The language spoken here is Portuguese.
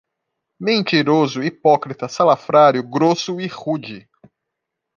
Mentiroso, hipócrita, salafrário, grosso e rude